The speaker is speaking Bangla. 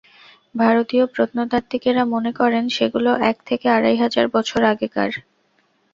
ভারতীয় প্রত্নতাত্ত্বিকেরা মনে করেন, সেগুলো এক থেকে আড়াই হাজার বছর আগেকার।